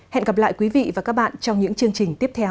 hẹn gặp lại quý vị và các bạn trong những chương trình tiếp theo